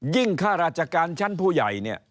ข้าราชการชั้นผู้ใหญ่เนี่ย